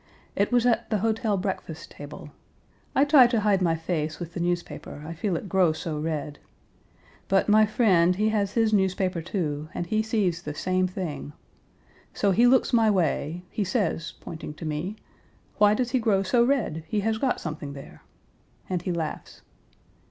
It was at the hotel breakfast table. I try to hide my face with the newspaper, I feel it grow so red. But my friend he has his newspaper, too, and he sees the same thing. So he looks my way he says, pointing to me 'Why does he grow so red? He has got something there!' and he laughs.